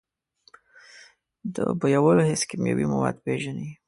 د بویولو حس کیمیاوي مواد پېژني.